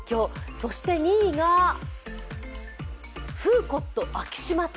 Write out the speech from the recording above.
そして２位がフーコット昭島店。